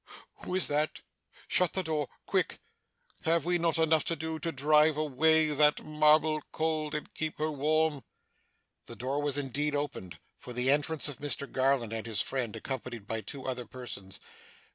Who is that? Shut the door. Quick! Have we not enough to do to drive away that marble cold, and keep her warm!' The door was indeed opened, for the entrance of Mr Garland and his friend, accompanied by two other persons.